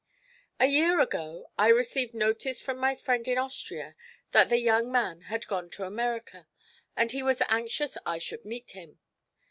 A year ago I received notice from my friend in Austria that the young man had gone to America and he was anxious I should meet him.